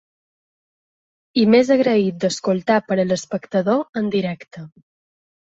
I més agraït d’escoltar per a l’espectador en directe.